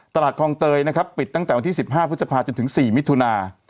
ตลาดคลองเตยนะครับปิดตั้งแต่วันที่สิบห้าพฤษภาจนถึงสี่มิถุนา